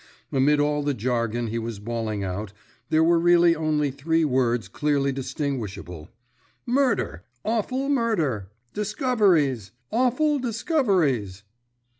Amid all the jargon he was bawling out, there were really only three words clearly distinguishable. "Murder! Awful murder! Discoveries! Awful discoveries!"